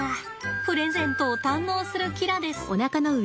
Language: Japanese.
プレゼントを堪能するキラです。